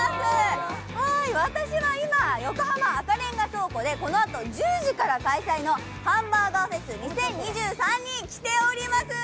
私は今、横浜赤レンガ倉庫でこのあと１０時から開催のハンバーガーフェス２０２３に来ております。